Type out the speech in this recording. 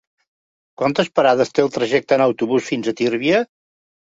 Quantes parades té el trajecte en autobús fins a Tírvia?